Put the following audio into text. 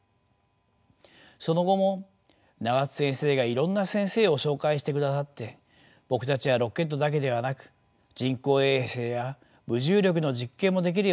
その後も永田先生がいろんな先生を紹介してくださって僕たちはロケットだけではなく人工衛星や無重力の実験もできるようになりました。